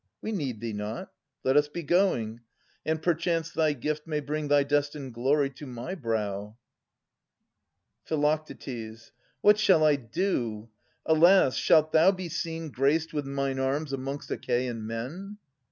We need thee not. Let us be going! And perchance thy gift May bring thy destined glory to my brow. Phi. What shall I do ? Alas, shalt thou be seen Graced with mine arms amongst Achaean men?